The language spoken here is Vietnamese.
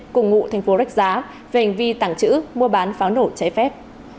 cùng ngụ tp rạch giá về hành vi tảng chữ mua bán pháo nổ cháy phép